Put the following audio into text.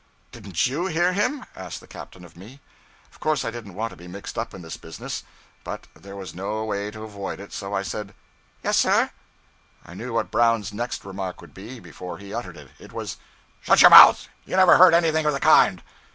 'Didn't _you _hear him?' asked the captain of me. Of course I didn't want to be mixed up in this business, but there was no way to avoid it; so I said 'Yes, sir.' I knew what Brown's next remark would be, before he uttered it; it was 'Shut your mouth! you never heard anything of the kind.'